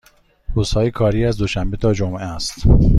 روزهای کاری از دوشنبه تا جمعه است.